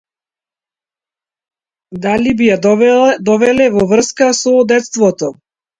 Дали би ја довеле во врска со детството?